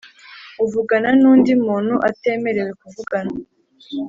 uvugana nundi muntu atemerewe kuvugana